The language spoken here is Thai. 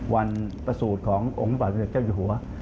วันประสูจน์ขององค์ประเภทเจ้าอยู่หัว